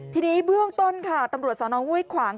ทีนี้เบื้องต้นตำรวจสอน้องวุ้ยขวาง